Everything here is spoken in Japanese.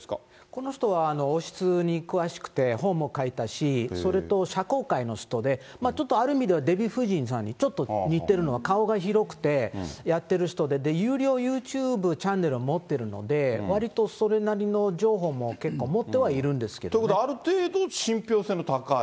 この人は王室に詳しくて、本も書いたし、それと社交界の人で、ちょっとある意味ではデヴィ夫人さんにちょっと似てるのは、顔が広くて、やってる人で、有料ユーチューブチャンネルを持ってるので、わりとそれなりの情報も結構持ってはいるんですけどね。ということは、ある程度、信ぴょう性の高い。